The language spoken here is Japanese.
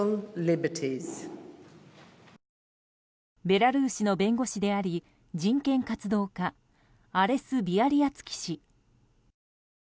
ベラルーシの弁護士であり人権活動家アレス・ビアリアツキ氏。